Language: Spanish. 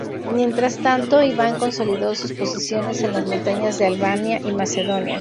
Mientras tanto, Iván consolidó sus posiciones en las montañas de Albania y Macedonia.